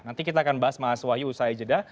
nanti kita akan bahas mas wahyu usai jeda